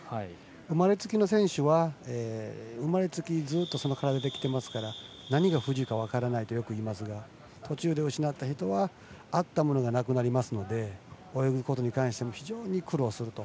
生まれつきの選手は生まれつきずっとその体できてますから何が不自由か分からないとよく言いますが途中で失った人はあったものがなくなりますので泳ぐことに関して非常に苦労すると。